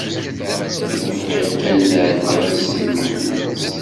Lliɣ bɣiɣ kan ad εeddiɣ ad sellmeɣ fell-as.